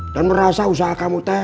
dan merasa usaha kamu